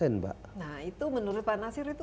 nah itu menurut pak nasir itu